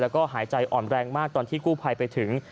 แล้วก็หายใจอ่อนแรงมากตอนที่กู้ภัยไปถึง